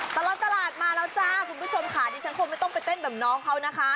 ตลอดตลาดมาแล้วจ้าคุณผู้ชมค่ะดิฉันคงไม่ต้องไปเต้นแบบน้องเขานะคะ